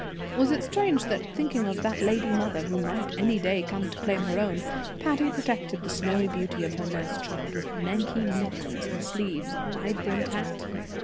Was it strange that, thinking of that lady mother, who might any day come to claim her own, Patty protected the snowy beauty of her nurse child with nankeen mitts, and sleeves, and wide brimmed hat?